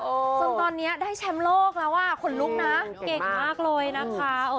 จนตอนนี้ได้แชมป์โลกแล้วอ่ะขนลุกนะเก่งมากเลยนะคะ